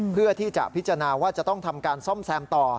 เพื่อที่จะพิจารณาว่าจะต้องทำการซ่อมแซมต่อ